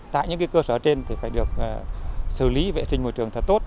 tại những cơ sở trên thì phải được xử lý vệ sinh môi trường thật tốt